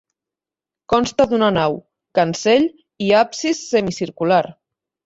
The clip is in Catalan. Consta d'una nau, cancell i absis semicircular.